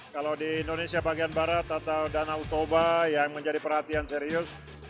kalau di indonesia bagian barat atau danau toba yang menjadi perhatian serius